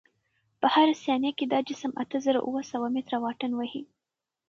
په هره ثانیه کې دا جسم اته زره اوه سوه متره واټن وهي.